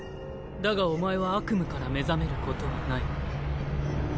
だがお前は悪夢から目覚めることはない。